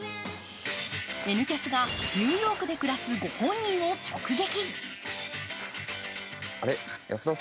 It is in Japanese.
「Ｎキャス」がニューヨークで暮らすご本人を直撃。